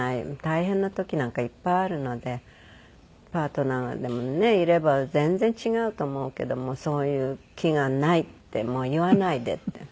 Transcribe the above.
大変な時なんかいっぱいあるのでパートナーでもねいれば全然違うと思うけども「そういう気がない」って「もう言わないで」って。